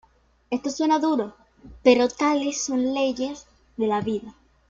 Esto suena duro, pero tales son las leyes de la vida.